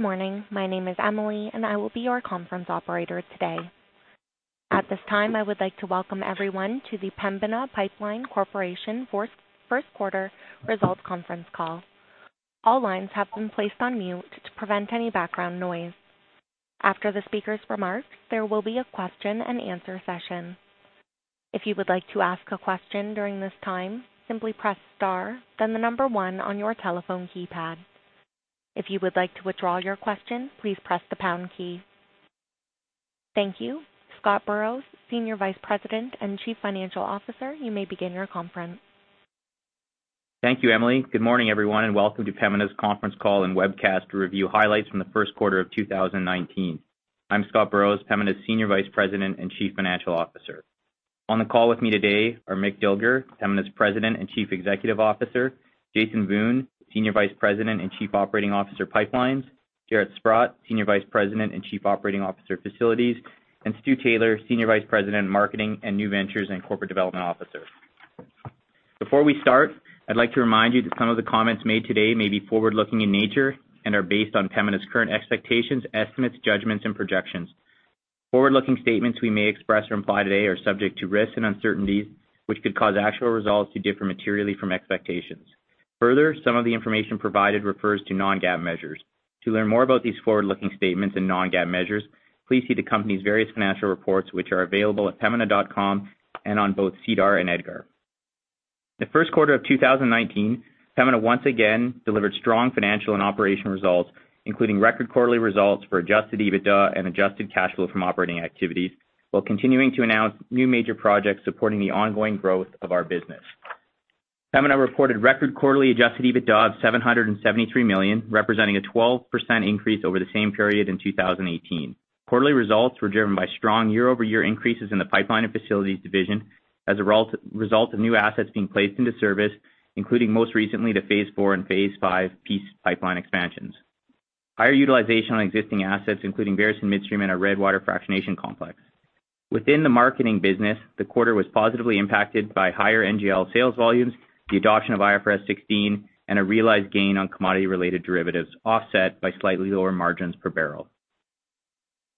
Good morning. My name is Emily, and I will be your conference operator today. At this time, I would like to welcome everyone to the Pembina Pipeline Corporation first quarter results conference call. All lines have been placed on mute to prevent any background noise. After the speaker's remarks, there will be a question and answer session. If you would like to ask a question during this time, simply press star, then the number one on your telephone keypad. If you would like to withdraw your question, please press the pound key. Thank you. Scott Burrows, Senior Vice President and Chief Financial Officer, you may begin your conference. Thank you, Emily. Good morning, everyone, and welcome to Pembina's conference call and webcast to review highlights from the first quarter of 2019. I'm Scott Burrows, Pembina's Senior Vice President and Chief Financial Officer. On the call with me today are Mick Dilger, Pembina's President and Chief Executive Officer, Jason Wiun, Senior Vice President and Chief Operating Officer, Pipelines, Jaret Sprott, Senior Vice President and Chief Operating Officer, Facilities, and Stuart Taylor, Senior Vice President, Marketing and New Ventures and Corporate Development Officer. Before we start, I'd like to remind you that some of the comments made today may be forward-looking in nature and are based on Pembina's current expectations, estimates, judgments and projections. Forward-looking statements we may express or imply today are subject to risks and uncertainties, which could cause actual results to differ materially from expectations. Further, some of the information provided refers to non-GAAP measures. To learn more about these forward-looking statements and non-GAAP measures, please see the company's various financial reports, which are available at pembina.com and on both SEDAR and EDGAR. The first quarter of 2019, Pembina once again delivered strong financial and operational results, including record quarterly results for adjusted EBITDA and adjusted cash flow from operating activities, while continuing to announce new major projects supporting the ongoing growth of our business. Pembina reported record quarterly adjusted EBITDA of 773 million, representing a 12% increase over the same period in 2018. Quarterly results were driven by strong year-over-year increases in the Pipeline and Facilities division as a result of new assets being placed into service, including most recently, the Phase IV and Phase V Peace Pipeline expansions. Higher utilization on existing assets, including Veresen Midstream and our Redwater Fractionation Complex. Within the marketing business, the quarter was positively impacted by higher NGL sales volumes, the adoption of IFRS 16, and a realized gain on commodity-related derivatives, offset by slightly lower margins per barrel.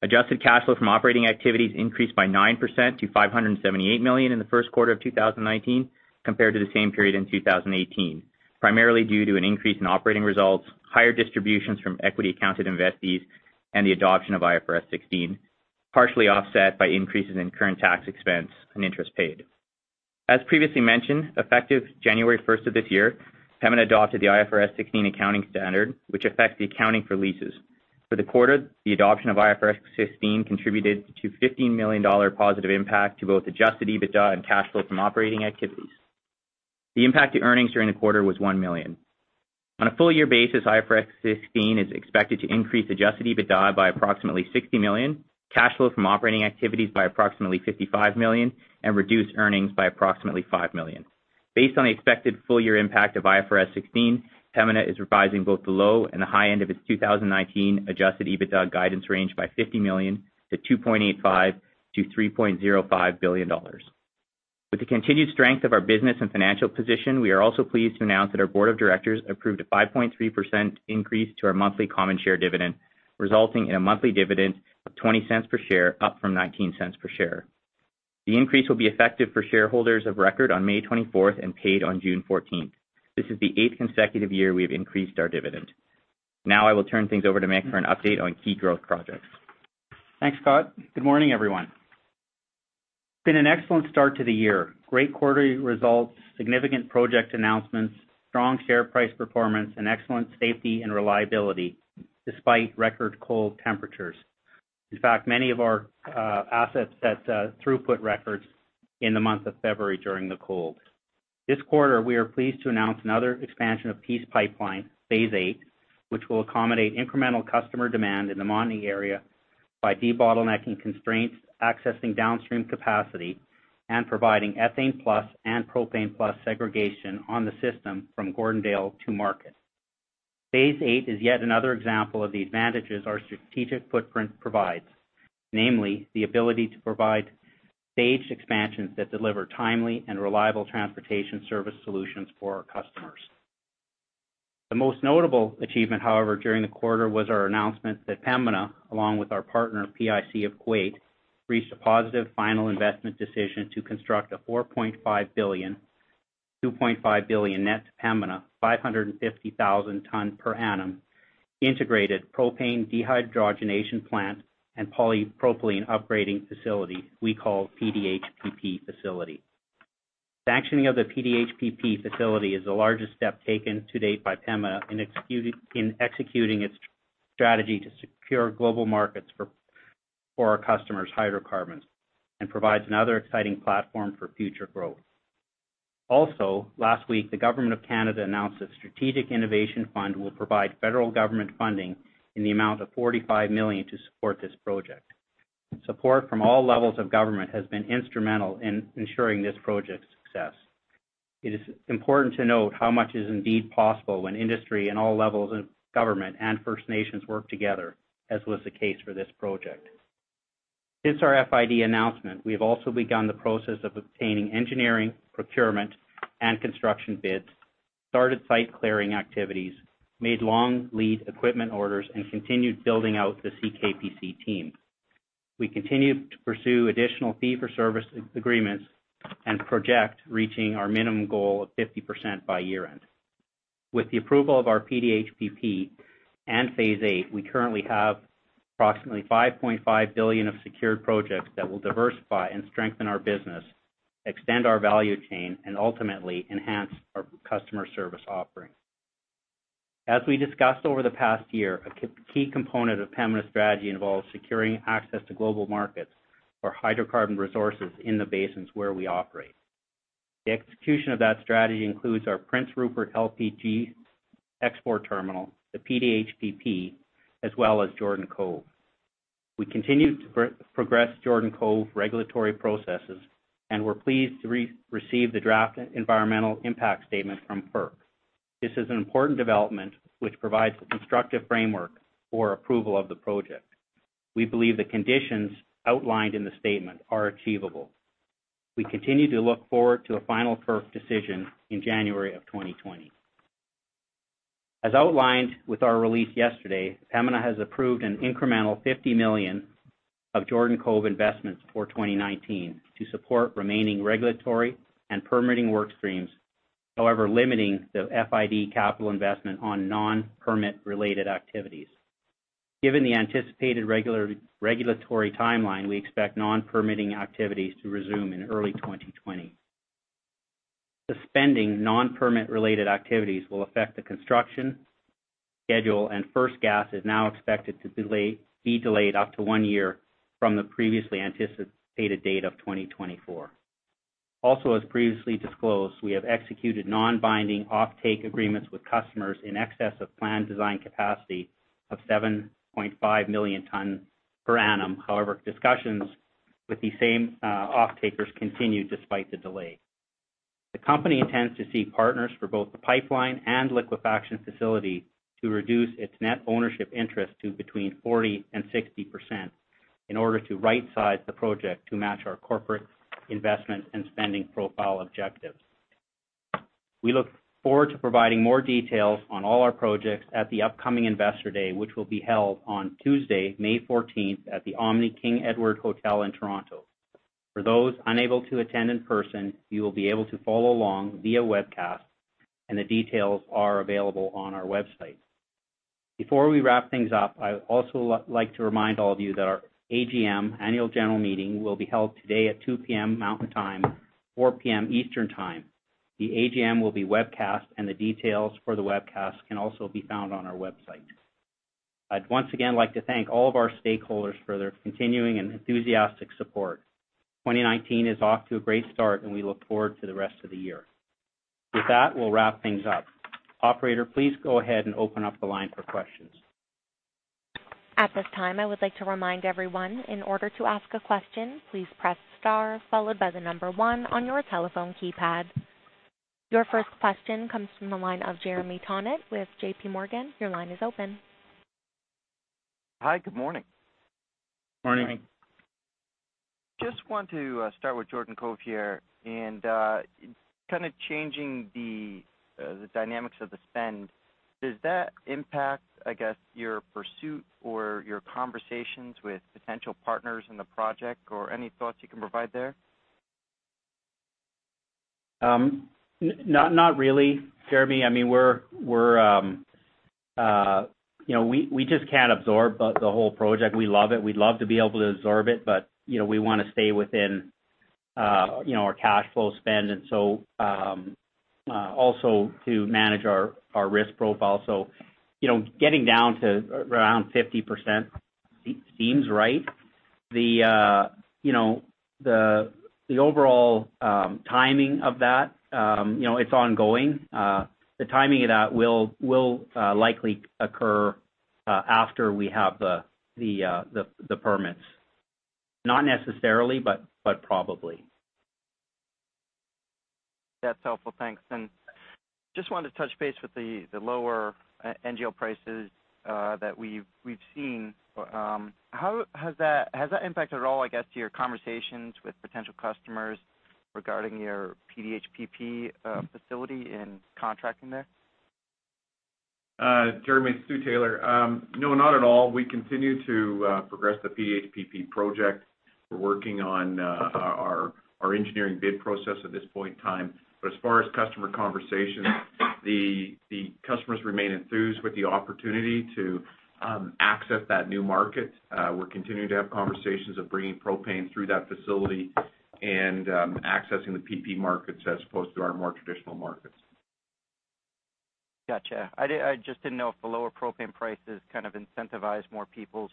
Adjusted cash flow from operating activities increased by 9% to 578 million in the first quarter of 2019 compared to the same period in 2018, primarily due to an increase in operating results, higher distributions from equity accounted investees, and the adoption of IFRS 16, partially offset by increases in current tax expense and interest paid. As previously mentioned, effective January 1st of this year, Pembina adopted the IFRS 16 accounting standard, which affects the accounting for leases. For the quarter, the adoption of IFRS 16 contributed a CAD 15 million positive impact to both adjusted EBITDA and cash flow from operating activities. The impact to earnings during the quarter was 1 million. On a full-year basis, IFRS 16 is expected to increase adjusted EBITDA by approximately 60 million, cash flow from operating activities by approximately 55 million, and reduce earnings by approximately 5 million. Based on the expected full-year impact of IFRS 16, Pembina is revising both the low and the high end of its 2019 adjusted EBITDA guidance range by 50 million to 2.85 billion-3.05 billion dollars. With the continued strength of our business and financial position, we are also pleased to announce that our board of directors approved a 5.3% increase to our monthly common share dividend, resulting in a monthly dividend of 0.20 per share, up from 0.19 per share. The increase will be effective for shareholders of record on May 24th and paid on June 14th. This is the eighth consecutive year we've increased our dividend. I will turn things over to Mick for an update on key growth projects. Thanks, Scott. Good morning, everyone. It's been an excellent start to the year. Great quarterly results, significant project announcements, strong share price performance, and excellent safety and reliability despite record cold temperatures. In fact, many of our assets set throughput records in the month of February during the cold. This quarter, we are pleased to announce another expansion of Peace Pipeline, Phase VIII, which will accommodate incremental customer demand in the Montney area by debottlenecking constraints, accessing downstream capacity, and providing ethane+ and propane+ segregation on the system from Gordondale to market. Phase VIII is yet another example of the advantages our strategic footprint provides, namely the ability to provide staged expansions that deliver timely and reliable transportation service solutions for our customers. The most notable achievement, however, during the quarter was our announcement that Pembina, along with our partner, PIC of Kuwait, reached a positive final investment decision to construct a 4.5 billion, 2.5 billion net to Pembina, 550,000 tonne per annum integrated propane dehydrogenation plant and polypropylene upgrading facility we call PDHPP facility. Sanctioning of the PDHPP facility is the largest step taken to date by Pembina in executing its strategy to secure global markets for our customers' hydrocarbons and provides another exciting platform for future growth. Last week, the government of Canada announced that Strategic Innovation Fund will provide federal government funding in the amount of 45 million to support this project. Support from all levels of government has been instrumental in ensuring this project's success. It is important to note how much is indeed possible when industry and all levels of government and First Nations work together, as was the case for this project. Since our FID announcement, we have also begun the process of obtaining engineering, procurement, and construction bids, started site clearing activities, made long lead equipment orders, and continued building out the CKPC team. We continue to pursue additional fee for service agreements and project reaching our minimum goal of 50% by year-end. With the approval of our PDH PP and Phase VIII, we currently have approximately 5.5 billion of secured projects that will diversify and strengthen our business, extend our value chain, and ultimately enhance our customer service offerings. As we discussed over the past year, a key component of Pembina's strategy involves securing access to global markets for hydrocarbon resources in the basins where we operate. The execution of that strategy includes our Prince Rupert LPG export terminal, the PDH PP, as well as Jordan Cove. We continue to progress Jordan Cove regulatory processes. We're pleased to receive the draft environmental impact statement from FERC. This is an important development which provides a constructive framework for approval of the project. We believe the conditions outlined in the statement are achievable. We continue to look forward to a final FERC decision in January of 2020. As outlined with our release yesterday, Pembina has approved an incremental 50 million of Jordan Cove investments for 2019 to support remaining regulatory and permitting work streams, however, limiting the FID capital investment on non-permit related activities. Given the anticipated regulatory timeline, we expect non-permitting activities to resume in early 2020. Suspending non-permit related activities will affect the construction schedule. First gas is now expected to be delayed up to one year from the previously anticipated date of 2024. As previously disclosed, we have executed non-binding offtake agreements with customers in excess of planned design capacity of 7.5 million tons per annum. Discussions with these same offtakers continue despite the delay. The company intends to seek partners for both the pipeline and liquefaction facility to reduce its net ownership interest to between 40% and 60% in order to right size the project to match our corporate investment and spending profile objectives. We look forward to providing more details on all our projects at the upcoming Investor Day, which will be held on Tuesday, May 14th at the Omni King Edward Hotel in Toronto. For those unable to attend in person, you will be able to follow along via webcast. The details are available on our website. Before we wrap things up, I'd also like to remind all of you that our AGM, annual general meeting, will be held today at 2:00 P.M. Mountain Time, 4:00 P.M. Eastern Time. The AGM will be webcast. The details for the webcast can also be found on our website. I'd once again like to thank all of our stakeholders for their continuing and enthusiastic support. 2019 is off to a great start. We look forward to the rest of the year. With that, we'll wrap things up. Operator, please go ahead and open up the line for questions. At this time, I would like to remind everyone, in order to ask a question, please press star followed by the number one on your telephone keypad. Your first question comes from the line of Jeremy Tonet with J.P. Morgan. Your line is open. Hi, good morning. Morning. Just want to start with Jordan Cove here, kind of changing the dynamics of the spend, does that impact, I guess, your pursuit or your conversations with potential partners in the project? Any thoughts you can provide there? Not really, Jeremy. We just can't absorb the whole project. We love it. We'd love to be able to absorb it, we want to stay within our cash flow spend, also to manage our risk profile. Getting down to around 50% seems right. The overall timing of that, it's ongoing. The timing of that will likely occur after we have the permits. Not necessarily, but probably. That's helpful. Thanks. Just wanted to touch base with the lower NGL prices that we've seen. Has that impacted at all, I guess, to your conversations with potential customers regarding your PDH PP facility in contracting there? Jeremy, it's Stuart Taylor. No, not at all. We continue to progress the PDH PP project. We're working on our engineering bid process at this point in time. As far as customer conversations, the customers remain enthused with the opportunity to access that new market. We're continuing to have conversations of bringing propane through that facility and accessing the PP markets as opposed to our more traditional markets. Got you. I just didn't know if the lower propane prices kind of incentivize more people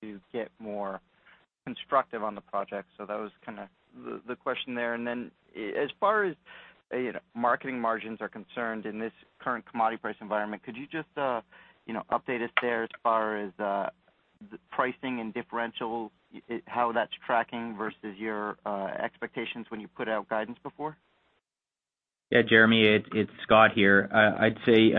to get more constructive on the project. That was the question there. Then as far as marketing margins are concerned in this current commodity price environment, could you just update us there as far as the pricing and differential, how that's tracking versus your expectations when you put out guidance before? Yeah, Jeremy, it's Scott here. I'd say,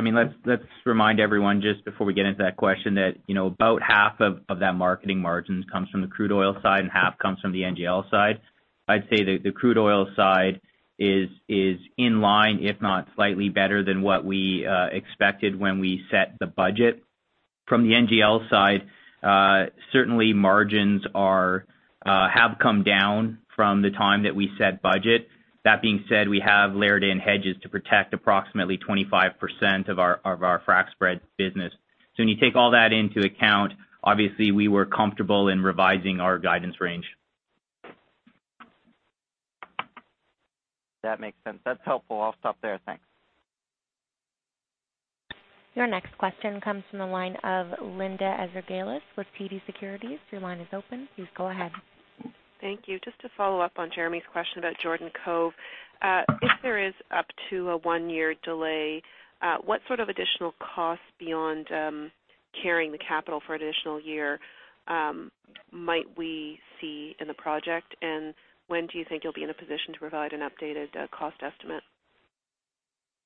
let's remind everyone just before we get into that question, that about half of that marketing margin comes from the crude oil side and half comes from the NGL side. I'd say that the crude oil side is in line, if not slightly better than what we expected when we set the budget. From the NGL side, certainly margins have come down from the time that we set budget. That being said, we have layered in hedges to protect approximately 25% of our frac spread business. When you take all that into account, obviously, we were comfortable in revising our guidance range. That makes sense. That's helpful. I'll stop there. Thanks. Your next question comes from the line of Linda Ezergailis with TD Securities. Your line is open. Please go ahead. Thank you. Just to follow up on Jeremy's question about Jordan Cove. If there is up to a one-year delay, what sort of additional cost beyond carrying the capital for an additional year might we see in the project? And when do you think you'll be in a position to provide an updated cost estimate?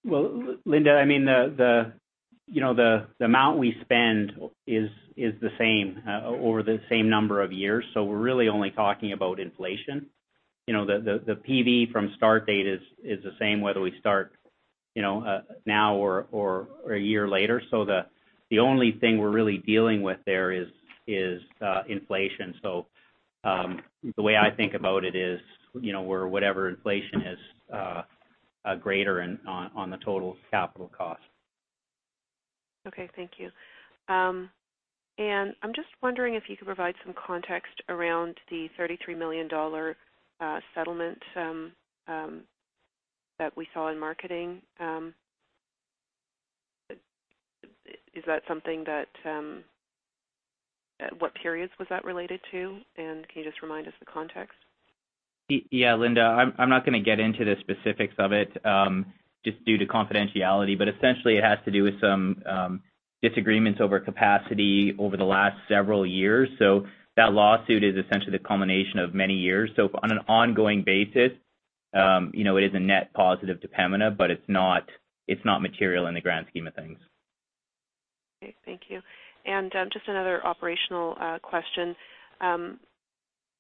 Well, Linda, the amount we spend is the same over the same number of years, so we're really only talking about inflation. The PV from start date is the same whether we start now or a year later. The only thing we're really dealing with there is inflation. The way I think about it is, we're whatever inflation is greater on the total capital cost. Okay, thank you. I'm just wondering if you could provide some context around the 33 million dollar settlement that we saw in marketing. What periods was that related to? Can you just remind us the context? Yeah, Linda, I'm not going to get into the specifics of it, just due to confidentiality, but essentially it has to do with some disagreements over capacity over the last several years. That lawsuit is essentially the culmination of many years. On an ongoing basis, it is a net positive to Pembina, but it's not material in the grand scheme of things. Okay, thank you. Just another operational question.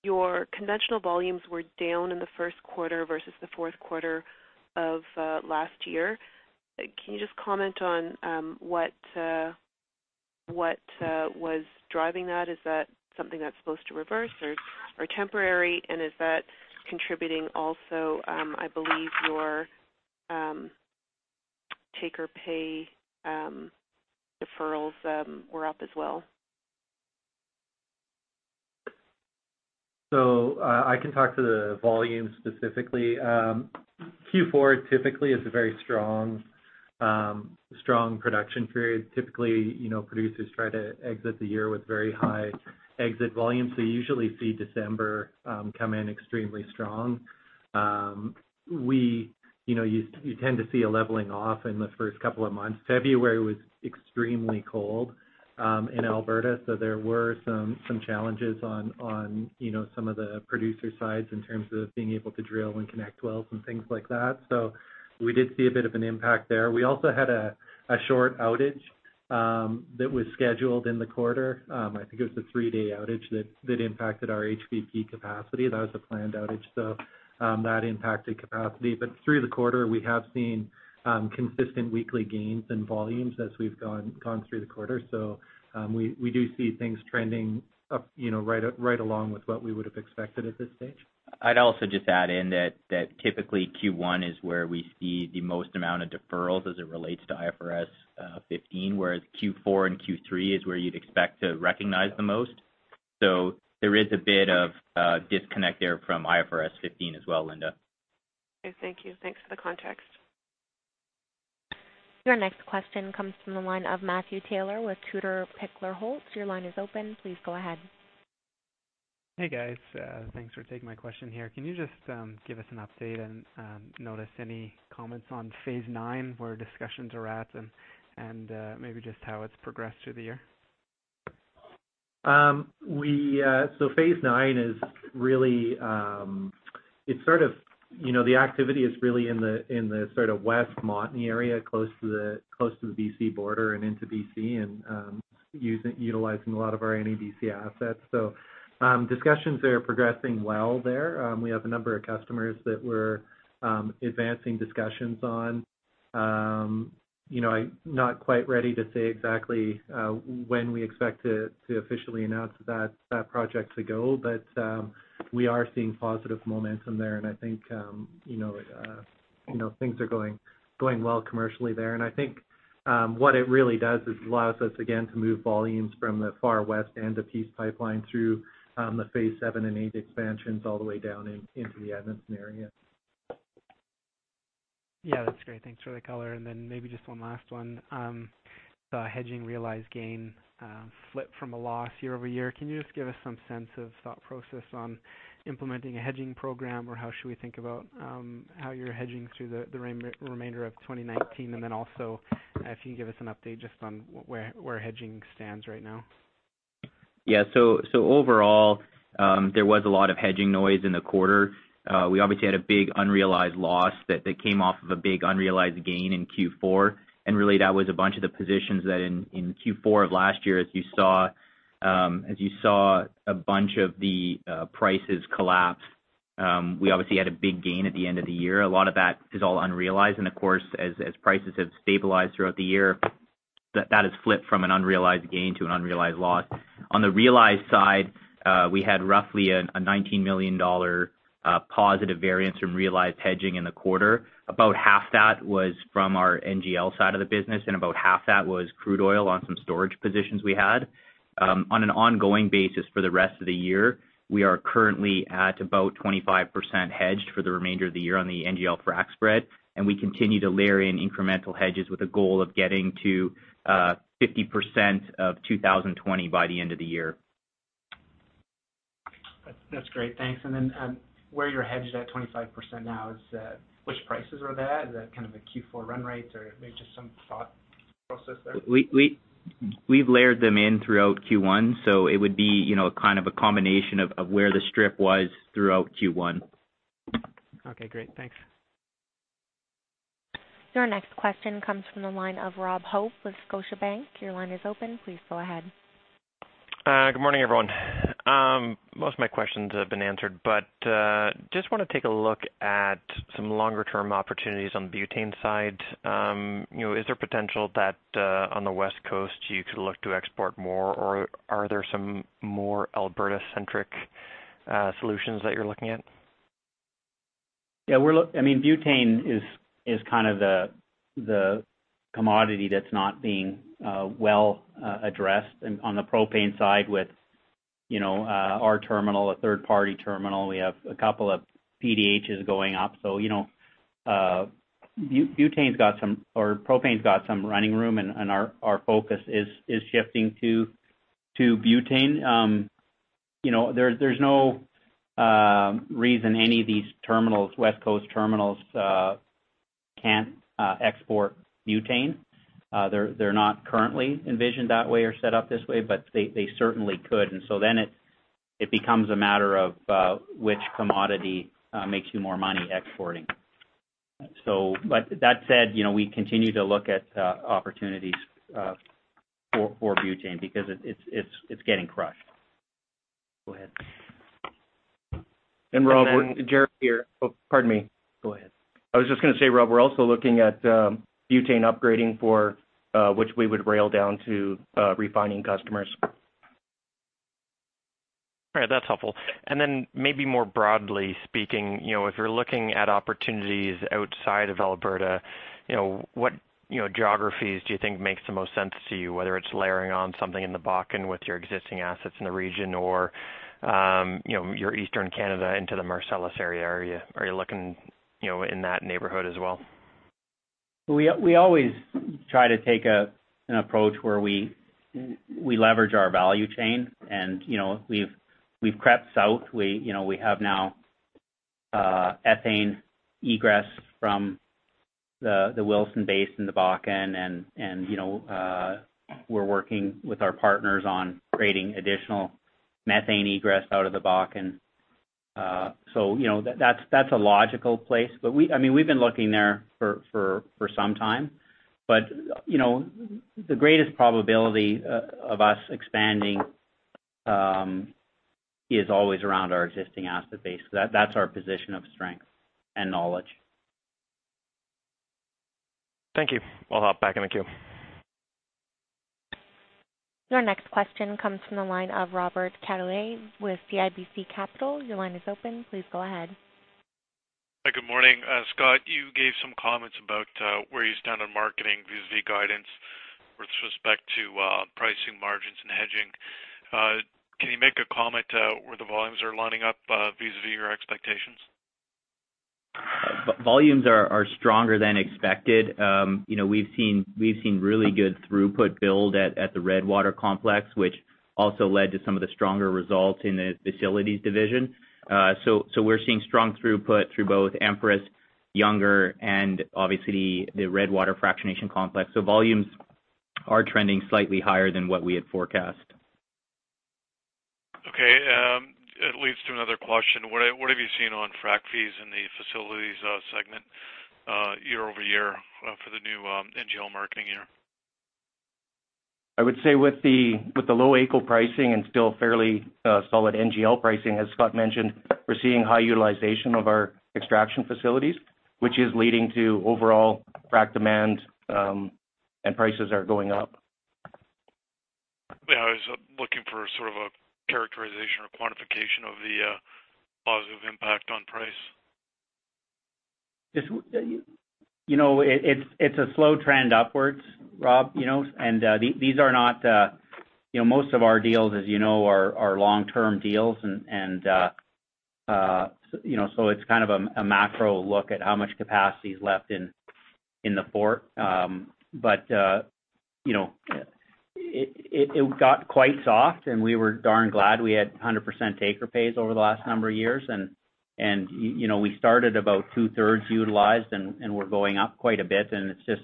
Your conventional volumes were down in the first quarter versus the fourth quarter of last year. Can you just comment on what was driving that? Is that something that's supposed to reverse or temporary? Is that contributing also, I believe your take or pay deferrals were up as well. I can talk to the volume specifically. Q4 typically is a very strong production period. Typically, producers try to exit the year with very high exit volumes, so you usually see December come in extremely strong. You tend to see a leveling off in the first couple of months. February was extremely cold in Alberta, so there were some challenges on some of the producer sides in terms of being able to drill and connect wells and things like that. We did see a bit of an impact there. We also had a short outage that was scheduled in the quarter. I think it was the three-day outage that impacted our HVP capacity. That was a planned outage, so that impacted capacity. Through the quarter, we have seen consistent weekly gains in volumes as we've gone through the quarter. We do see things trending up, right along with what we would've expected at this stage. I'd also just add in that typically Q1 is where we see the most amount of deferrals as it relates to IFRS 15, whereas Q4 and Q3 is where you'd expect to recognize the most. There is a bit of a disconnect there from IFRS 15 as well, Linda. Okay. Thank you. Thanks for the context. Your next question comes from the line of Matthew Taylor with Tudor, Pickering, Holt. Your line is open. Please go ahead. Hey, guys. Thanks for taking my question here. Can you just give us an update and notice any comments on Phase IX, where discussions are at and maybe just how it's progressed through the year? Phase IX, the activity is really in the West Montney area, close to the B.C. border and into B.C., and utilizing a lot of our NEBC assets. Discussions there are progressing well there. We have a number of customers that we're advancing discussions on. I'm not quite ready to say exactly when we expect to officially announce that project to go. We are seeing positive momentum there, and I think things are going well commercially there. I think what it really does is allows us again, to move volumes from the far west end of Peace Pipeline through the Phase VII and Phase VIII expansions all the way down into the Edmonton area. Yeah, that's great. Thanks for the color, maybe just one last one. The hedging realized gain flip from a loss year-over-year. Can you just give us some sense of thought process on implementing a hedging program, or how should we think about how you're hedging through the remainder of 2019? Also, if you can give us an update just on where hedging stands right now. Yeah. Overall, there was a lot of hedging noise in the quarter. We obviously had a big unrealized loss that came off of a big unrealized gain in Q4, really that was a bunch of the positions that in Q4 of last year, as you saw a bunch of the prices collapse, we obviously had a big gain at the end of the year. A lot of that is all unrealized, as prices have stabilized throughout the year, that has flipped from an unrealized gain to an unrealized loss. On the realized side, we had roughly a 19 million dollar positive variance from realized hedging in the quarter. About half that was from our NGL side of the business, about half that was crude oil on some storage positions we had. On an ongoing basis for the rest of the year, we are currently at about 25% hedged for the remainder of the year on the NGL frac spread, and we continue to layer in incremental hedges with a goal of getting to 50% of 2020 by the end of the year. That's great. Thanks. Where you're hedged at 25% now, which prices are that? Is that a Q4 run rates or maybe just some thought process there? We've layered them in throughout Q1, it would be a combination of where the strip was throughout Q1. Okay, great. Thanks. Your next question comes from the line of Robert Hope with Scotiabank. Your line is open. Please go ahead. Good morning, everyone. Most of my questions have been answered, just want to take a look at some longer-term opportunities on the butane side. Is there potential that on the West Coast you could look to export more, or are there some more Alberta-centric solutions that you're looking at? Yeah. Butane is the commodity that's not being well addressed on the propane side with our terminal, a third-party terminal. We have a couple of PDHs going up. Propane's got some running room and our focus is shifting to butane. There's no reason any of these West Coast terminals can't export butane. They're not currently envisioned that way or set up this way, they certainly could. It becomes a matter of which commodity makes you more money exporting. That said, we continue to look at opportunities for butane because it's getting crushed. Go ahead. Rob, Jaret here. Oh, pardon me. Go ahead. I was just going to say, Rob, we're also looking at butane upgrading, which we would rail down to refining customers. All right. That's helpful. Then maybe more broadly speaking, if you're looking at opportunities outside of Alberta, what geographies do you think makes the most sense to you, whether it's layering on something in the Bakken with your existing assets in the region or your Eastern Canada into the Marcellus area? Are you looking in that neighborhood as well? We always try to take an approach where we leverage our value chain and we've crept south. We have now ethane egress from the Williston Basin, the Bakken, and we're working with our partners on creating additional methane egress out of the Bakken. That's a logical place, but we've been looking there for some time. The greatest probability of us expanding is always around our existing asset base, because that's our position of strength and knowledge. Thank you. I'll hop back in the queue. Your next question comes from the line of Robert Catellier with CIBC Capital. Your line is open. Please go ahead. Good morning. Scott, you gave some comments about where you stand on marketing vis-a-vis guidance with respect to pricing margins and hedging. Can you make a comment where the volumes are lining up vis-a-vis your expectations? Volumes are stronger than expected. We've seen really good throughput build at the Redwater Complex, which also led to some of the stronger results in the facilities division. We're seeing strong throughput through both American, Younger, and obviously the Redwater Fractionation Complex. Volumes are trending slightly higher than what we had forecast. Okay. It leads to another question. What have you seen on frac fees in the facilities segment year over year for the new NGL marketing year? I would say with the low AECO pricing and still fairly solid NGL pricing, as Scott mentioned, we're seeing high utilization of our extraction facilities, which is leading to overall frac demand, and prices are going up. Yeah, I was looking for sort of a characterization or quantification of the positive impact on price. It's a slow trend upwards, Rob. Most of our deals, as you know, are long-term deals, and so it's kind of a macro look at how much capacity is left in the Fort. It got quite soft, and we were darn glad we had 100% acre pays over the last number of years. We started about two-thirds utilized, and we're going up quite a bit, and it's just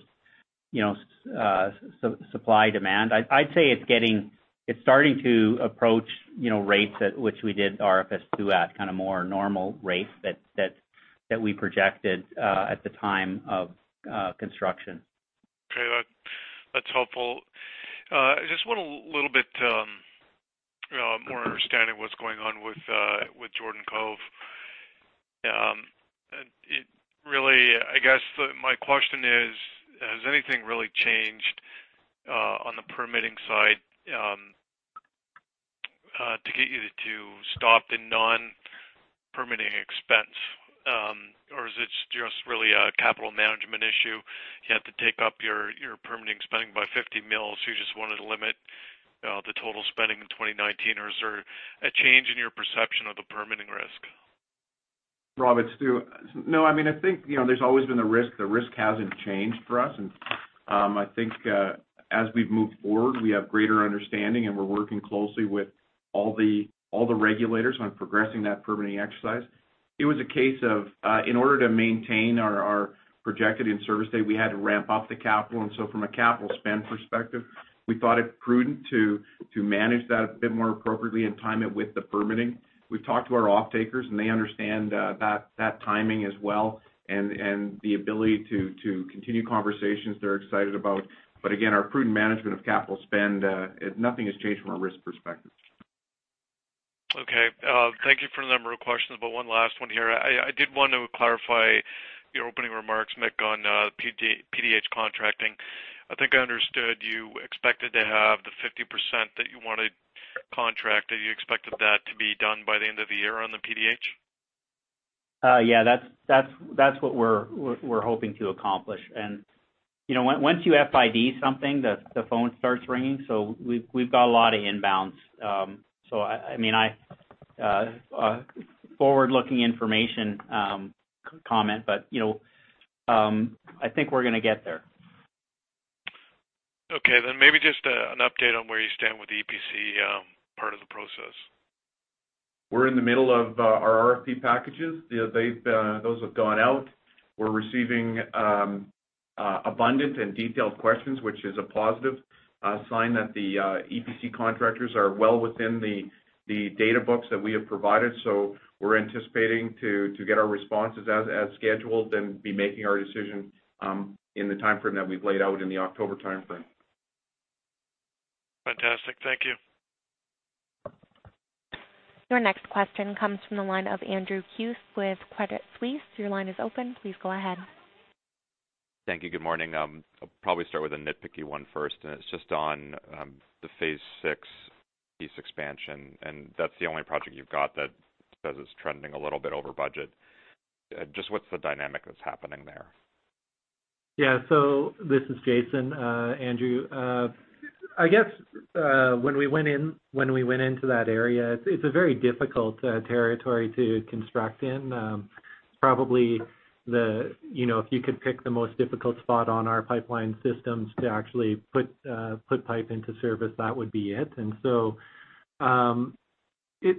supply-demand. I'd say it's starting to approach rates at which we did RFS II at, more normal rates that we projected at the time of construction. That's helpful. I just want a little bit more understanding of what's going on with Jordan Cove. I guess my question is, has anything really changed on the permitting side to get you to stop the non-permitting expense? Or is it just really a capital management issue? You have to take up your permitting spending by 50 mills, you just wanted to limit the total spending in 2019, or is there a change in your perception of the permitting risk? Rob, it's Stu. I think, there's always been a risk. The risk hasn't changed for us, I think as we've moved forward, we have greater understanding, and we're working closely with all the regulators on progressing that permitting exercise. It was a case of, in order to maintain our projected in-service date, we had to ramp up the capital. From a capital spend perspective, we thought it prudent to manage that a bit more appropriately and time it with the permitting. We've talked to our off-takers, they understand that timing as well and the ability to continue conversations they're excited about. Again, our prudent management of capital spend, nothing has changed from a risk perspective. Okay. Thank you for the number of questions, one last one here. I did want to clarify your opening remarks, Mick, on PDH contracting. I think I understood you expected to have the 50% that you wanted contracted, you expected that to be done by the end of the year on the PDH? Yeah. That's what we're hoping to accomplish. Once you FID something, the phone starts ringing. We've got a lot of inbounds. A forward-looking information comment, I think we're going to get there. Okay, maybe just an update on where you stand with the EPC part of the process. We're in the middle of our RFP packages. Those have gone out. We're receiving abundant and detailed questions, which is a positive sign that the EPC contractors are well within the data books that we have provided. We're anticipating to get our responses as scheduled, be making our decision in the timeframe that we've laid out in the October timeframe. Fantastic. Thank you. Your next question comes from the line of Andrew Kuske with Credit Suisse. Your line is open. Please go ahead. Thank you. Good morning. I'll probably start with a nitpicky one first. It's just on the Phase VI Peace Pipeline expansion. That's the only project you've got that says it's trending a little bit over budget. What's the dynamic that's happening there? This is Jason Wiun. Andrew Kuske, when we went into that area, it's a very difficult territory to construct in. Probably, if you could pick the most difficult spot on our pipeline systems to actually put pipe into service, that would be it.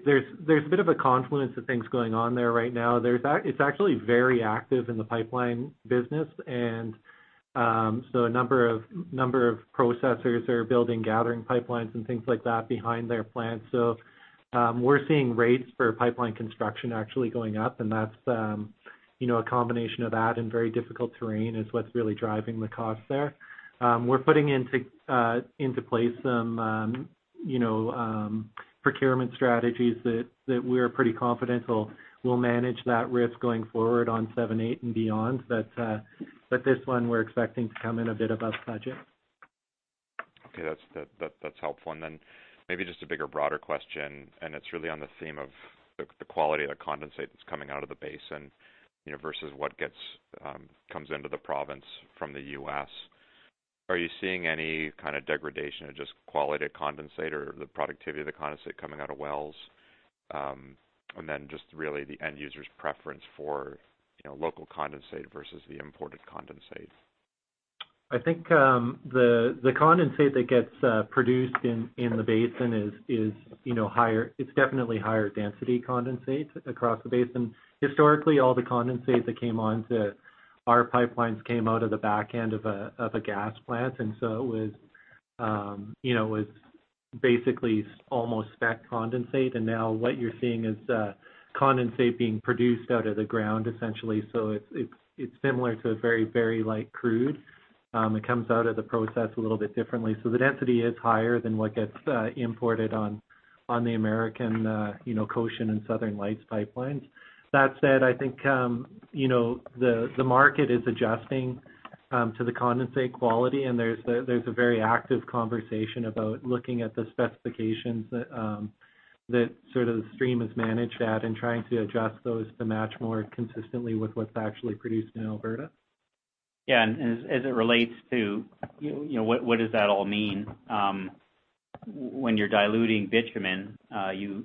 There's a bit of a confluence of things going on there right now. It's actually very active in the pipeline business. A number of processors are building gathering pipelines and things like that behind their plants. We're seeing rates for pipeline construction actually going up. That's a combination of that and very difficult terrain is what's really driving the cost there. We're putting into place some procurement strategies that we're pretty confident will manage that risk going forward on 7, 8, and beyond. This one, we're expecting to come in a bit above budget. Okay. That's helpful. Maybe just a bigger, broader question. It's really on the theme of the quality of the condensate that's coming out of the basin versus what comes into the province from the U.S. Are you seeing any kind of degradation of just quality of condensate or the productivity of the condensate coming out of wells? Really the end user's preference for local condensate versus the imported condensate. I think the condensate that gets produced in the basin is definitely higher density condensate across the basin. Historically, all the condensate that came onto our pipelines came out of the back end of a gas plant. It was basically almost spec condensate. Now what you're seeing is condensate being produced out of the ground, essentially. It's similar to a very light crude. It comes out of the process a little bit differently. The density is higher than what gets imported on the American, Cochin and Southern Lights Pipeline. That said, I think, the market is adjusting to the condensate quality. There's a very active conversation about looking at the specifications that Stream has managed at and trying to adjust those to match more consistently with what's actually produced in Alberta. As it relates to what does that all mean, when you're diluting bitumen, you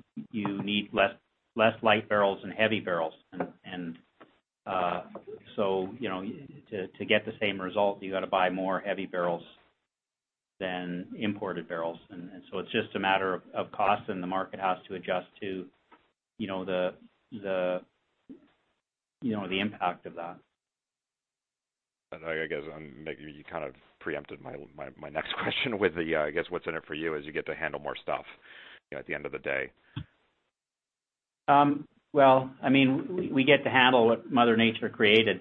need less light barrels than heavy barrels. To get the same result, you got to buy more heavy barrels than imported barrels. It's just a matter of cost, and the market has to adjust to the impact of that. Maybe you kind of preempted my next question with the, I guess what's in it for you is you get to handle more stuff at the end of the day. Well, we get to handle what Mother Nature created.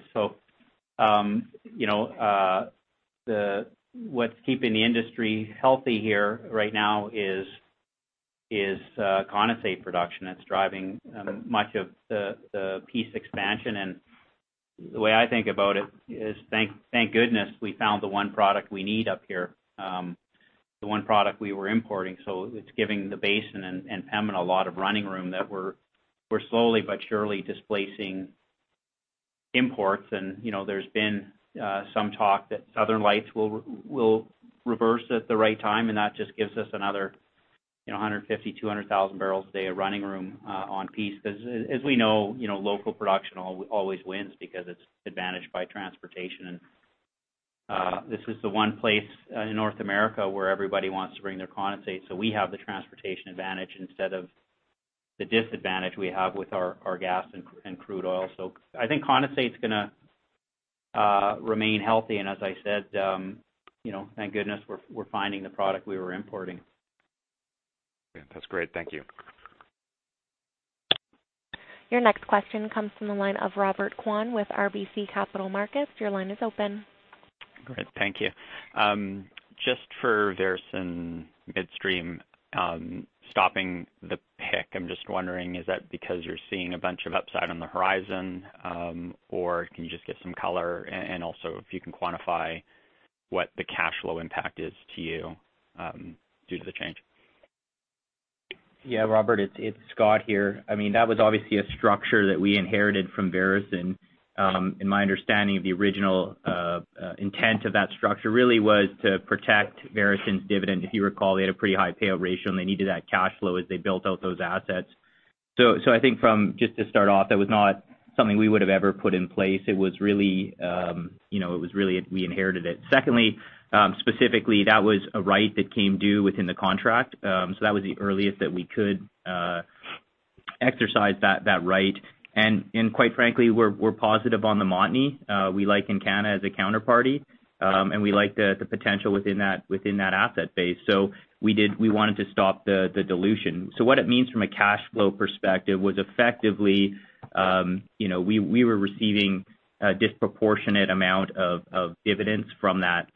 What's keeping the industry healthy here right now is condensate production that's driving much of the Peace expansion. The way I think about it is, thank goodness we found the one product we need up here, the one product we were importing. It's giving the basin and Pembina a lot of running room that we're slowly but surely displacing imports. There's been some talk that Southern Lights will reverse at the right time, and that just gives us another 150,000-200,000 barrels a day of running room on Peace. Because as we know, local production always wins because it's advantaged by transportation. This is the one place in North America where everybody wants to bring their condensate. We have the transportation advantage instead of the disadvantage we have with our gas and crude oil. I think condensate's going to remain healthy. As I said, thank goodness we're finding the product we were importing. Yeah, that's great. Thank you. Your next question comes from the line of Robert Kwan with RBC Capital Markets. Your line is open. Great. Thank you. Just for Veresen Midstream, stopping the PIC, I'm just wondering, is that because you're seeing a bunch of upside on the horizon? Can you just give some color, and also if you can quantify what the cash flow impact is to you, due to the change? Yeah, Robert, it's Scott here. That was obviously a structure that we inherited from Veresen. In my understanding of the original intent of that structure really was to protect Veresen's dividend. If you recall, they had a pretty high payout ratio, and they needed that cash flow as they built out those assets. I think from, just to start off, that was not something we would've ever put in place. It was really we inherited it. Secondly, specifically, that was a right that came due within the contract. That was the earliest that we could exercise that right. Quite frankly, we're positive on the Montney. We like Encana as a counterparty. We like the potential within that asset base. We wanted to stop the dilution. What it means from a cash flow perspective was effectively, we were receiving a disproportionate amount of dividends from that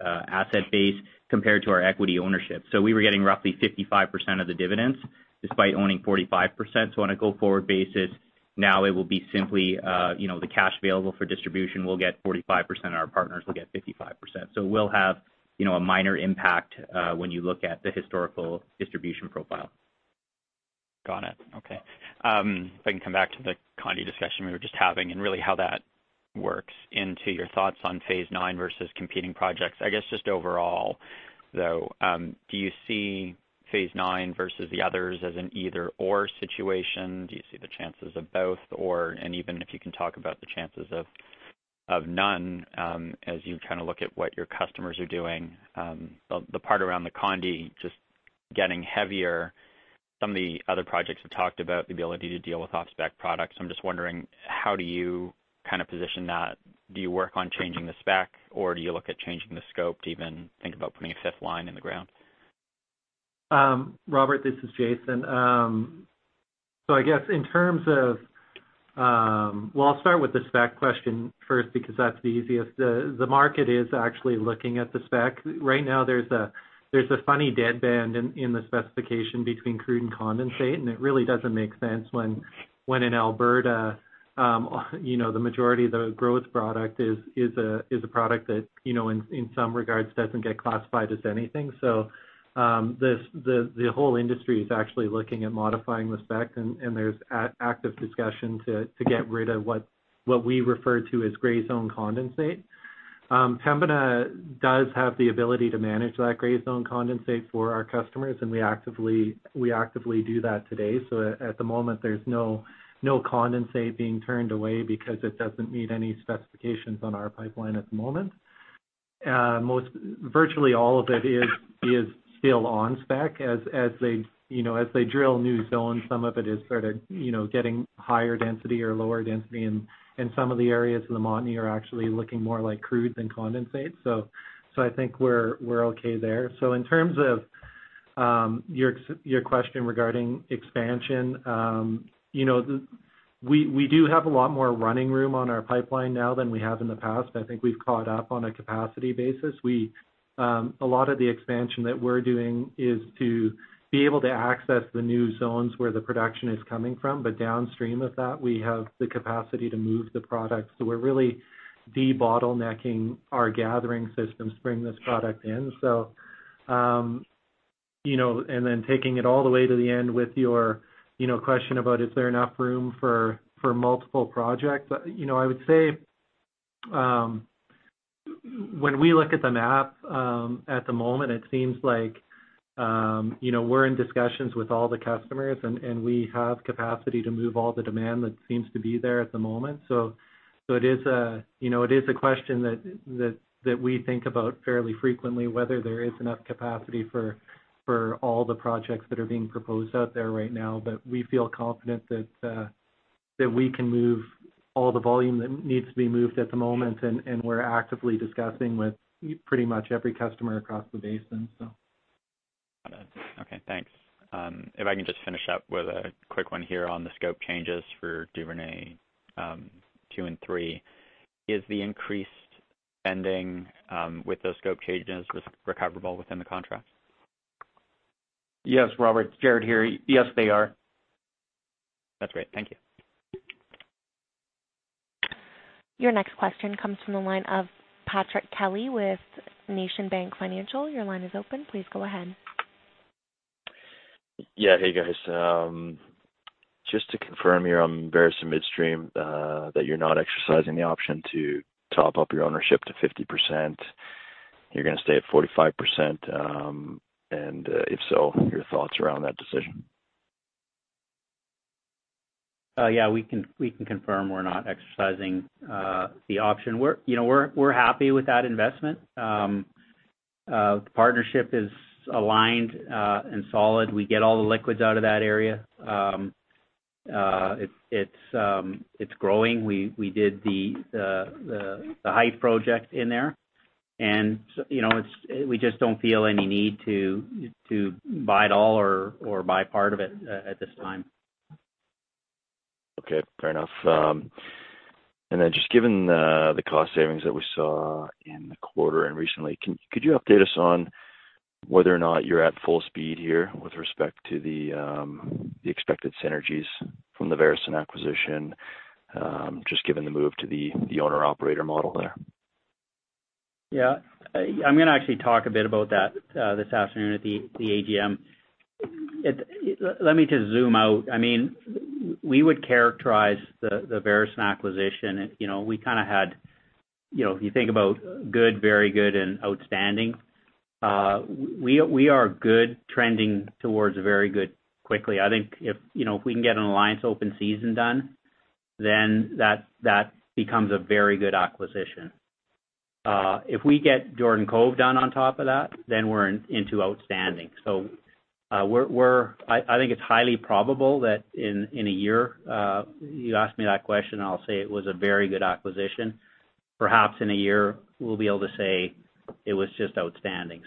asset base compared to our equity ownership. We were getting roughly 55% of the dividends despite owning 45%. On a go-forward basis, now it will be simply the cash available for distribution, we'll get 45%, our partners will get 55%. We'll have a minor impact when you look at the historical distribution profile. Got it. Okay. If I can come back to the Condi discussion we were just having and really how that works into your thoughts on Phase IX versus competing projects. I guess just overall, though, do you see Phase IX versus the others as an either/or situation? Do you see the chances of both or, and even if you can talk about the chances of none, as you look at what your customers are doing. The part around the Condi just getting heavier. Some of the other projects have talked about the ability to deal with off-spec products. I'm just wondering, how do you position that? Do you work on changing the spec, or do you look at changing the scope to even think about putting a fifth line in the ground? Robert, this is Jason. I guess in terms of I'll start with the spec question first because that's the easiest. The market is actually looking at the spec. Right now, there's a funny deadband in the specification between crude and condensate, and it really doesn't make sense when in Alberta, the majority of the growth product is a product that, in some regards, doesn't get classified as anything. The whole industry is actually looking at modifying the spec, and there's active discussion to get rid of what we refer to as gray zone condensate. Pembina does have the ability to manage that gray zone condensate for our customers, and we actively do that today. At the moment, there's no condensate being turned away because it doesn't meet any specifications on our pipeline at the moment. Virtually all of it is still on spec. As they drill new zones, some of it is sort of getting higher density or lower density, and some of the areas in the Montney are actually looking more like crude than condensate. I think we're okay there. In terms of your question regarding expansion, we do have a lot more running room on our pipeline now than we have in the past. I think we've caught up on a capacity basis. A lot of the expansion that we're doing is to be able to access the new zones where the production is coming from, but downstream of that, we have the capacity to move the product. We're really de-bottlenecking our gathering systems to bring this product in. Then taking it all the way to the end with your question about is there enough room for multiple projects. I would say when we look at the map at the moment, it seems like we're in discussions with all the customers, and we have capacity to move all the demand that seems to be there at the moment. It is a question that we think about fairly frequently, whether there is enough capacity for all the projects that are being proposed out there right now. We feel confident that we can move all the volume that needs to be moved at the moment, and we're actively discussing with pretty much every customer across the basin. Got it. Okay, thanks. If I can just finish up with a quick one here on the scope changes for Duvernay II and III. Is the increased spending with those scope changes recoverable within the contract? Yes, Robert, Jaret here. Yes, they are. That's great. Thank you. Your next question comes from the line of Patrick Kenny with National Bank Financial. Your line is open. Please go ahead. Yeah. Hey, guys. Just to confirm here on Veresen Midstream, that you're not exercising the option to top up your ownership to 50%, you're going to stay at 45%? If so, your thoughts around that decision. Yeah, we can confirm we're not exercising the option. We're happy with that investment. The partnership is aligned and solid. We get all the liquids out of that area. It's growing. We did the Hythe project in there. We just don't feel any need to buy it all or buy part of it at this time. Okay, fair enough. Just given the cost savings that we saw in the quarter and recently, could you update us on whether or not you're at full speed here with respect to the expected synergies from the Veresen acquisition, just given the move to the owner/operator model there? I'm going to actually talk a bit about that this afternoon at the AGM. Let me just zoom out. We would characterize the Veresen acquisition, if you think about good, very good, and outstanding, we are good, trending towards very good quickly. I think if we can get an Alliance open season done, then that becomes a very good acquisition. If we get Jordan Cove done on top of that, then we're into outstanding. I think it's highly probable that in a year, you ask me that question, I'll say it was a very good acquisition. Perhaps in a year, we'll be able to say it was just outstanding.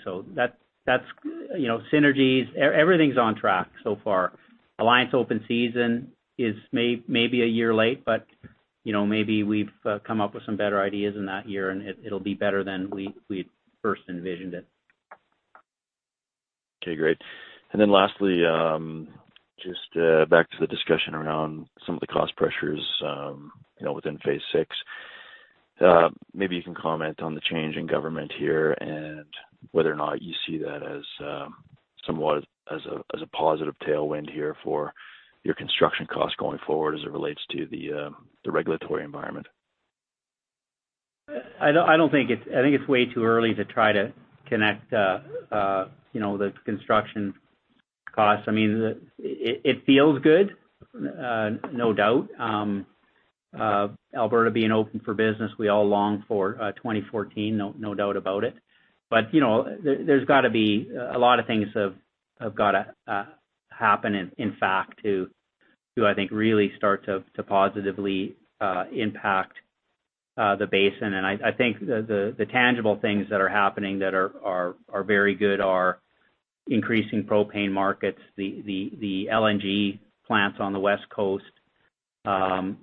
Synergies, everything's on track so far. Alliance open season is maybe a year late, but maybe we've come up with some better ideas in that year, and it'll be better than we first envisioned it. Great. Lastly, just back to the discussion around some of the cost pressures within Phase VI. Maybe you can comment on the change in government here and whether or not you see that as somewhat as a positive tailwind here for your construction costs going forward as it relates to the regulatory environment. I think it's way too early to try to connect the construction costs. It feels good, no doubt. Alberta being open for business, we all longed for 2014, no doubt about it. A lot of things have got to happen, in fact, to, I think, really start to positively impact the basin. I think the tangible things that are happening that are very good are increasing propane markets, the LNG plants on the West Coast, Enbridge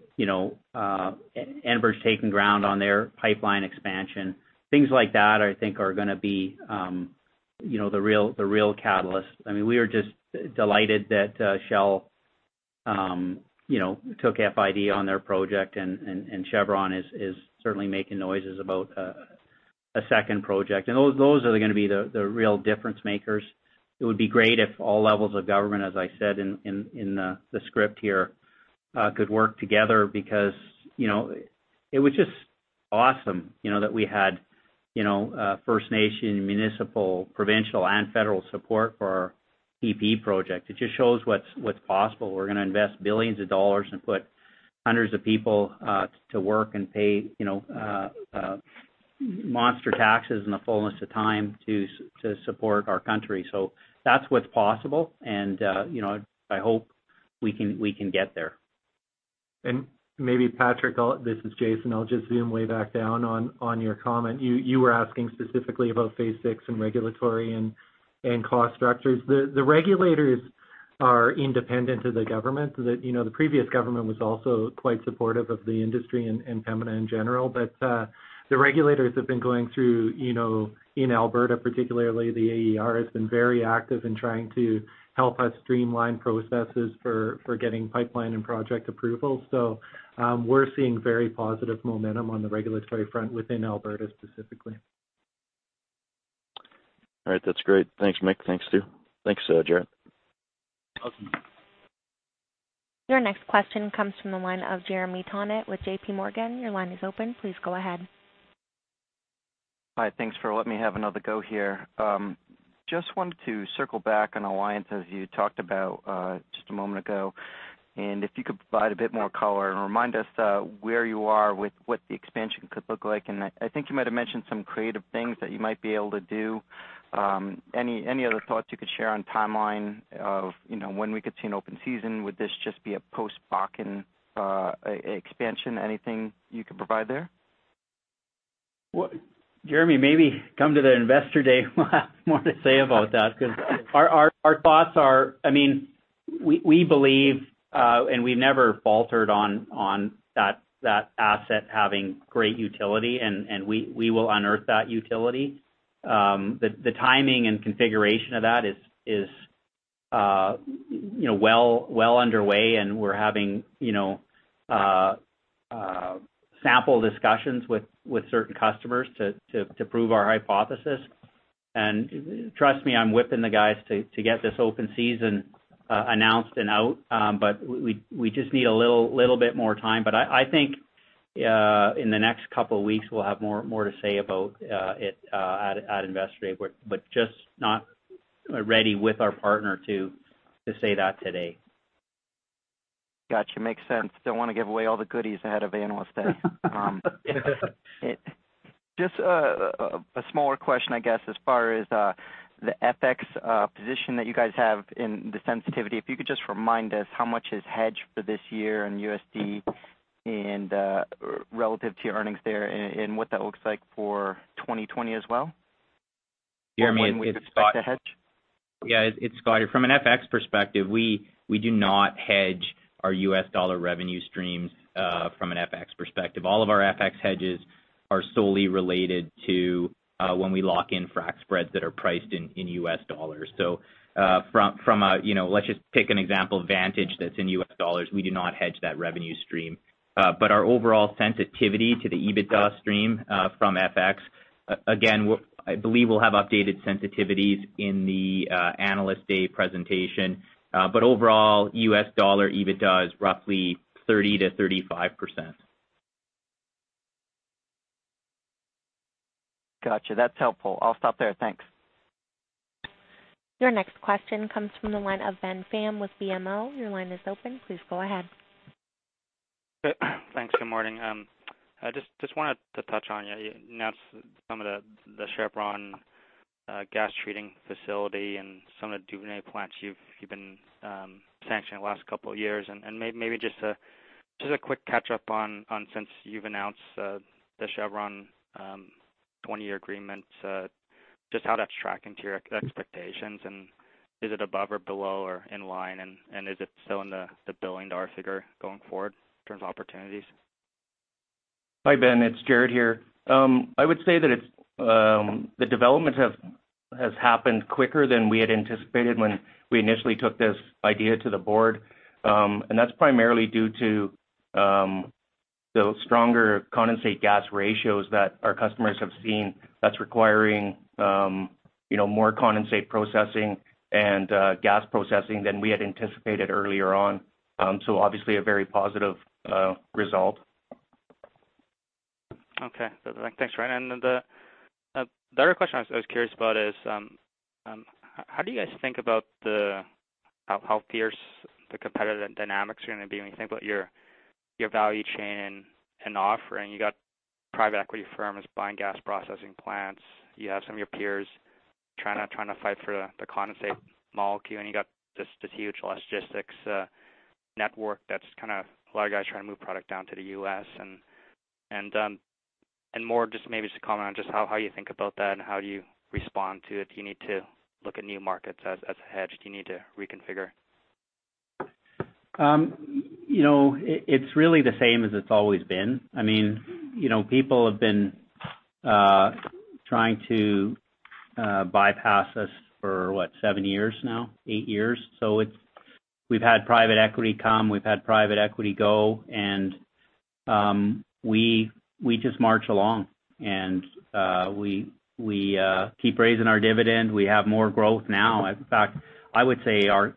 taking ground on their pipeline expansion. Things like that, I think, are going to be the real catalyst. We are just delighted that Shell took FID on their project, and Chevron is certainly making noises about a second project. Those are going to be the real difference-makers. It would be great if all levels of government, as I said in the script here, could work together because it was just awesome that we had First Nation, municipal, provincial, and federal support for our PDH PP project. It just shows what's possible. We're going to invest billions of dollars and put hundreds of people to work and pay monster taxes in the fullness of time to support our country. That's what's possible, and I hope we can get there. Maybe Patrick, this is Jason, I'll just zoom way back down on your comment. You were asking specifically about Phase VI and regulatory and cost structures. The regulators are independent of the government. The previous government was also quite supportive of the industry and Pembina in general. The regulators have been going through, in Alberta particularly, the AER has been very active in trying to help us streamline processes for getting pipeline and project approval. We're seeing very positive momentum on the regulatory front within Alberta, specifically. All right. That's great. Thanks, Mick. Thanks, Stu. Thanks, Jaret. Welcome. Your next question comes from the line of Jeremy Tonet with J.P. Morgan. Your line is open. Please go ahead. Hi. Thanks for letting me have another go here. Just wanted to circle back on Alliance, as you talked about just a moment ago. If you could provide a bit more color and remind us where you are with what the expansion could look like. I think you might have mentioned some creative things that you might be able to do. Any other thoughts you could share on timeline of when we could see an open season? Would this just be a post-Bakken expansion? Anything you could provide there? Jeremy, maybe come to the Investor Day. We'll have more to say about that because we believe, and we've never faltered on that asset having great utility, and we will unearth that utility. The timing and configuration of that is well underway, and we're having sample discussions with certain customers to prove our hypothesis. Trust me, I'm whipping the guys to get this open season announced and out. We just need a little bit more time. I think, in the next couple of weeks, we'll have more to say about it at Investor Day. Just not ready with our partner to say that today. Got you. Makes sense. Don't want to give away all the goodies ahead of Analyst Day. Just a smaller question, I guess, as far as the FX position that you guys have in the sensitivity. If you could just remind us how much is hedged for this year in USD and relative to your earnings there and what that looks like for 2020 as well? Jeremy- How long we can expect to hedge? Yeah. It's Scott here. From an FX perspective, we do not hedge our US dollar revenue streams from an FX perspective. All of our FX hedges are solely related to when we lock in frac spreads that are priced in US dollars. Let's just take an example, Vantage, that's in US dollars. We do not hedge that revenue stream. Our overall sensitivity to the EBITDA stream from FX, again, I believe we'll have updated sensitivities in the Analyst Day presentation. Overall, US dollar EBITDA is roughly 30%-35%. Got you. That's helpful. I'll stop there. Thanks. Your next question comes from the line of Ben Pham with BMO. Your line is open. Please go ahead. Thanks. Good morning. Just wanted to touch on, you announced some of the Chevron gas treating facility and some of the Duvernay plants you've been sanctioning the last couple of years. Maybe just a quick catch-up on, since you've announced the Chevron 20-year agreement, just how that's tracking to your expectations. Is it above or below or in line, and is it still in the billion-dollar figure going forward in terms of opportunities? Hi, Ben. It's Jaret here. I would say that the development has happened quicker than we had anticipated when we initially took this idea to the board. That's primarily due to the stronger condensate gas ratios that our customers have seen that's requiring more condensate processing and gas processing than we had anticipated earlier on. Obviously, a very positive result. Okay. Thanks. The other question I was curious about is, how do you guys think about how fierce the competitive dynamics are going to be when you think about your value chain and offering? You got private equity firms buying gas processing plants. You have some of your peers trying to fight for the condensate molecule, and you got this huge logistics network that's kind of a lot of guys trying to move product down to the U.S. More just maybe to comment on just how you think about that and how do you respond to it. Do you need to look at new markets as a hedge? Do you need to reconfigure? It's really the same as it's always been. People have been trying to bypass us for what, 7 years now? 8 years. We've had private equity come, we've had private equity go, and we just march along. We keep raising our dividend. We have more growth now. In fact, I would say our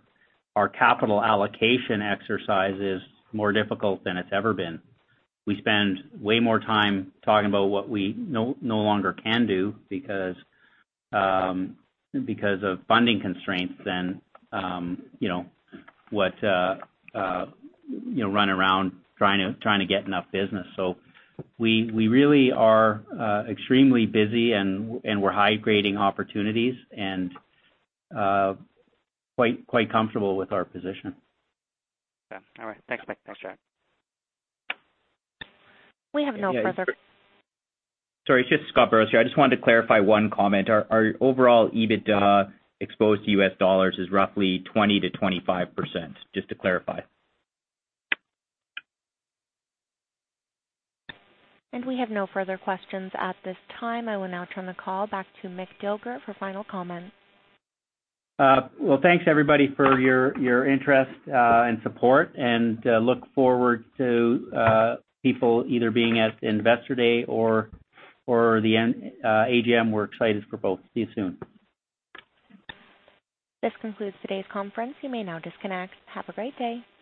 capital allocation exercise is more difficult than it's ever been. We spend way more time talking about what we no longer can do because of funding constraints than what run around trying to get enough business. We really are extremely busy, and we're high-grading opportunities and quite comfortable with our position. Okay. All right. Thanks, Mick. Thanks, Jaret. We have no further- Sorry, it's just Scott Burrows here. I just wanted to clarify one comment. Our overall EBITDA exposed to US dollars is roughly 20%-25%, just to clarify. We have no further questions at this time. I will now turn the call back to Mick Dilger for final comments. Well, thanks everybody for your interest and support, and look forward to people either being at Investor Day or the AGM. We're excited for both. See you soon. This concludes today's conference. You may now disconnect. Have a great day.